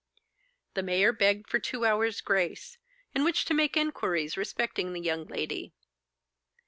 The mayor begged for two hours' grace, in which to make inquiries respecting the young lady.